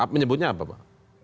menyebutnya apa pak